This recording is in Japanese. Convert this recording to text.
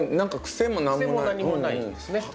癖も何もないんですね。